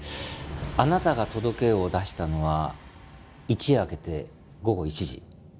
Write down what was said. あなたが届けを出したのは一夜明けて午後１時。